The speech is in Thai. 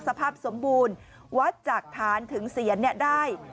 สภาพสมบูรณ์วัดจากฐานถึงเสียนได้